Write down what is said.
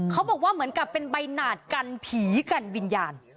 เขาบอกว่าเหมือนกับเป็นใบหนาดกันผีกันวิญญาณ